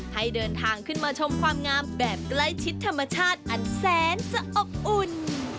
ให้เดินทางขึ้นมาชมความงามแบบใกล้ชิดธรรมชาติอันแสนจะอบอุ่น